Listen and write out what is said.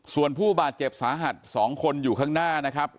ส่วนผู้บาดเจ็บสาหัส๒คนอยู่ข้างหน้านะครับ